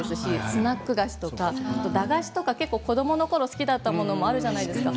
スナック菓子とか駄菓子とか子どものころに好きだったものがあるじゃないですか。